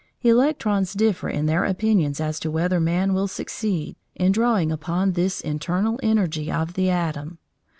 Electrons differ in their opinions as to whether man will succeed in drawing upon this internal energy of the atom.